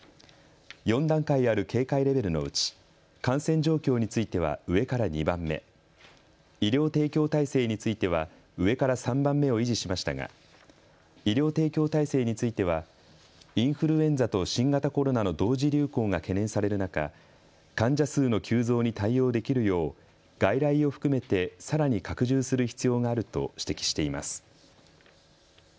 ４段階ある警戒レベルのうち感染状況については上から２番目、医療提供体制については上から３番目を維持しましたが医療提供体制についてはインフルエンザと新型コロナの同時流行が懸念される中、患者数の急増に対応できるよう外来を含めてさらに拡充する必要があると指摘しています。